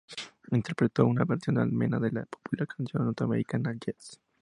Interpretó una versión alemana de la popular canción norteamericana "Yes!